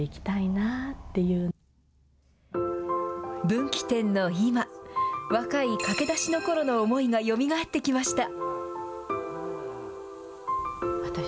分岐点の今、若い駆け出しのころの思いがよみがえってきました。